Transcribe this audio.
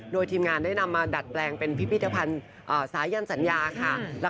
โดยทีมงานได้นำมาดัดแปลงเป็นพิพิธภัณฑ์สายันสัญญาค่ะ